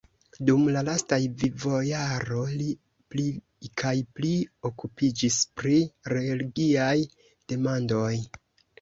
Dum la lastaj vivojaro li pli kaj pli okupiĝis pri relgiaj demandoj.